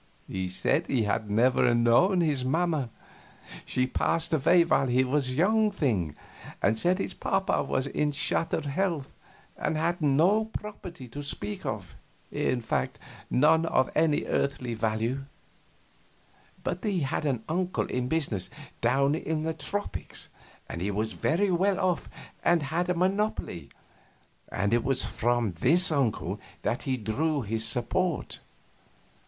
He said he had never known his mamma; she passed away while he was a young thing; and said his papa was in shattered health, and had no property to speak of in fact, none of any earthly value but he had an uncle in business down in the tropics, and he was very well off and had a monopoly, and it was from this uncle that he drew his support.